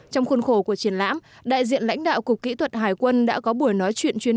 trong khuôn khổ của triển lãm đại diện lãnh đạo cục kỹ thuật hải quân đã có buổi nói chuyện chuyên